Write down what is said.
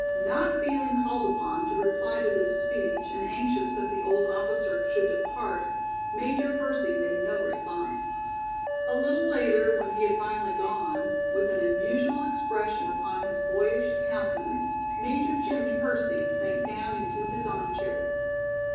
Not feeling called upon to reply to this speech and anxious that the old officer should depart, Major Hersey made no response. A little later, when he had finally gone, with an unusual expression upon his boyish countenance, Major Jimmie Hersey sank down into his arm chair.